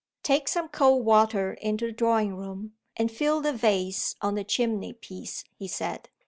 "Take some cold water into the drawing room and fill the vase on the chimney piece," he said.